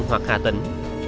hoặc hà tây ninh